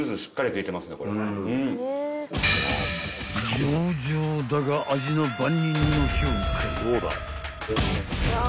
［上々だが味の番人の評価は？］